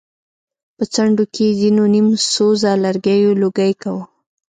په څنډو کې يې ځېنو نيم سوزه لرګيو لوګی کوه.